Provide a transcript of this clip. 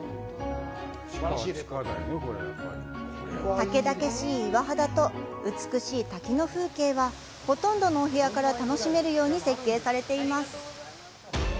猛々しい岩肌と美しい滝の風景は、ほとんどのお部屋から楽しめるように設計されています。